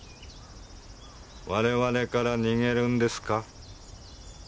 我々から逃げるんですか？